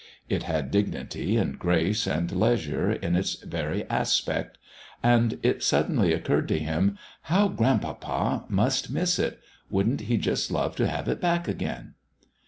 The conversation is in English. It had dignity and grace and leisure in its very aspect. And it suddenly occurred to him: "How grandpapa must miss it! Wouldn't he just love to have it back again!"